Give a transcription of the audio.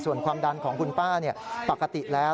ส่วนความดันของคุณป้าปกติแล้ว